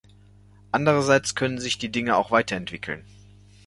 Andererseits können sich die Dinge auch weiterentwickeln.